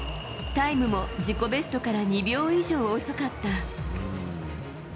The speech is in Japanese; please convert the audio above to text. タイムも自己ベストから２秒以上遅かった。